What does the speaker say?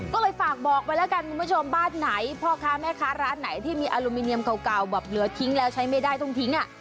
ก็เลยฝากบอกไว้แล้วกันคุณผู้ชมบ้านไหนพ่อค้าแม่ค้าร้านไหนที่มีอลูมิเนียมเก่าแบบเหลือทิ้งแล้วใช้ไม่ได้ต้องทิ้งอ่ะ